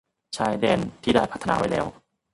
ชายแดนที่ได้พัฒนาไว้แล้ว